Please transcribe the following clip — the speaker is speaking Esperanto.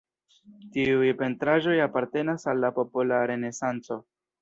Tiuj pentraĵoj apartenas al la popola renesanco.